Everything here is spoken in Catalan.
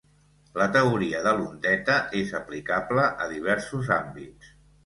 La teoria de l'ondeta és aplicable a diversos àmbits.